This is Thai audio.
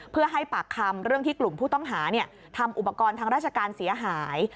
เพื่อให้ปากคำเรื่องที่กลุ่มผู้ต้องหาทำอุปกรณ์ทางราชการเสียหาย